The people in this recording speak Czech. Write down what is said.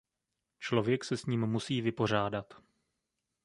Člověk se s ním musí vypořádat.